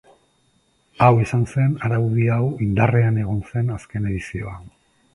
Hau izan zen araudi hau indarrean egon zen azken edizioa.